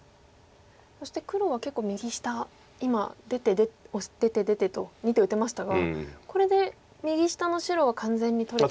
そして黒は結構右下今出て出てと２手打てましたがこれで右下の白は完全に取れたと。